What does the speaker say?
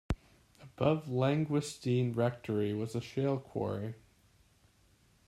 Above Llangwstennin Rectory was a shale quarry.